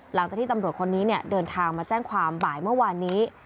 หลังจากที่ตำรวจคนนี้เดินทางมาแจ้งความบ่ายเมื่อวานนี้